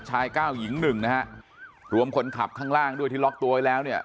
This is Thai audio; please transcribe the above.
เก้าหญิงหนึ่งนะฮะรวมคนขับข้างล่างด้วยที่ล็อกตัวไว้แล้วเนี่ย